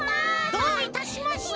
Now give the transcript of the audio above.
どういたしまして。